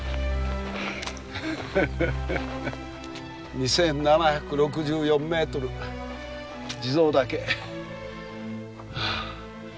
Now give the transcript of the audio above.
２，７６４メートル地蔵岳。